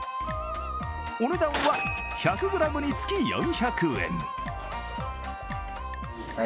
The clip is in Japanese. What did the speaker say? お値段は１００ｇにつき４００円。